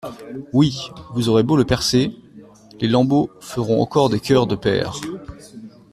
Oui, vous aurez beau le percer, les lambeaux feront encore des cœurs de père.